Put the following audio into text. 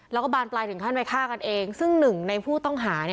แล้วก็บานปลายถึงขั้นไปฆ่ากันเอง